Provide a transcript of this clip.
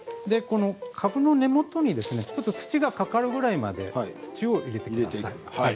株の根元に土がかかるぐらいまで土を入れてください。